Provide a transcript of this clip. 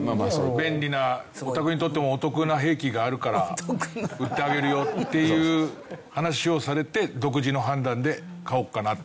便利なおたくにとってもお得な兵器があるから売ってあげるよっていう話をされて独自の判断で買おうかなって。